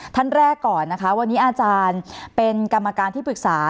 ท่านแรกก่อนนะคะวันนี้อาจารย์เป็นกรรมการที่ปรึกษา